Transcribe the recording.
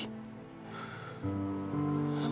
dan aku akan kehilangan ratu lagi